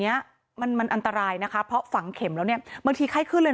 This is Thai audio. เนี้ยมันมันอันตรายนะคะเพราะฝังเข็มแล้วเนี่ยบางทีไข้ขึ้นเลย